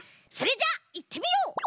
それじゃあいってみよう！